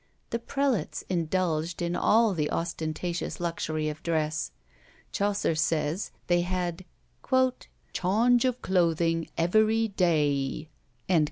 The prelates indulged in all the ostentatious luxury of dress. Chaucer says, they had "chaunge of clothing everie daie."